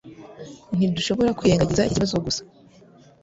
Ntidushobora kwirengagiza iki kibazo gusa